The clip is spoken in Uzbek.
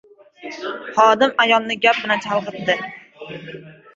Xodim ayolni gap bilan chalgʻitdi.